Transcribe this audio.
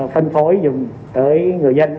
phân phối dùng tới người dân